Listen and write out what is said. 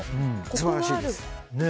素晴らしいです。